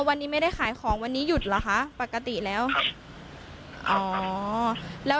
วันนี้ไม่ได้ขายของวันนี้หยุดเหรอคะปกติแล้วอ๋อแล้ว